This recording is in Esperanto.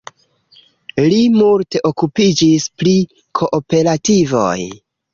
Li multe okupiĝis pri kooperativoj.